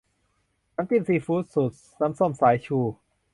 น้ำจิ้มซีฟู้ด สูตรน้ำส้มสายชู